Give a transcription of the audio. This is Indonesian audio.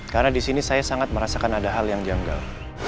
karena di sini saya sangat merasakan ada hal yang janggal